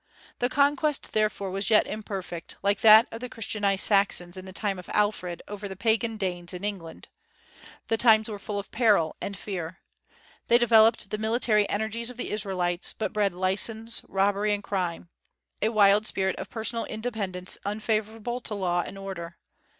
The conquest therefore was yet imperfect, like that of the Christianized Saxons in the time of Alfred over the pagan Danes in England. The times were full of peril and fear. They developed the military energies of the Israelites, but bred license, robbery, and crime, a wild spirit of personal independence unfavorable to law and order.